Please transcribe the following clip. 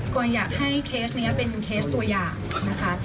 อยอยากให้เคสนี้เป็นเคสตัวอย่างนะคะ